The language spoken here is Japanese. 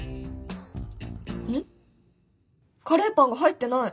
カレーパンが入ってない。